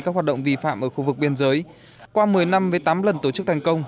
các hoạt động vi phạm ở khu vực biên giới qua một mươi năm với tám lần tổ chức thành công